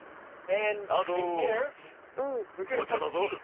あとお茶だぞ。